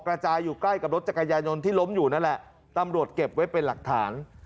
กระจายอยู่ใกล้กับรถจักรยายนที่ล้มอยู่นั่นแหละตำรวจเก็บไว้เป็นหลักฐาน